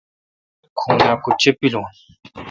گیل کھوناں کہ چے° پِلون؟